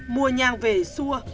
mua nhang về xua